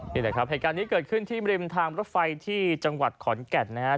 นี่แหละครับเหตุการณ์นี้เกิดขึ้นที่ริมทางรถไฟที่จังหวัดขอนแก่นนะครับ